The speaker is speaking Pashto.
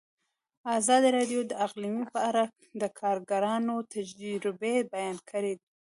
ازادي راډیو د اقلیم په اړه د کارګرانو تجربې بیان کړي.